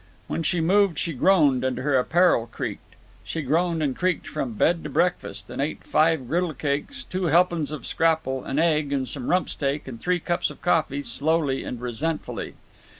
When she moved she groaned, and her apparel creaked. She groaned and creaked from bed to breakfast, and ate five griddle cakes, two helpin's of scrapple, an egg, some rump steak, and three cups of coffee, slowly and resentfully.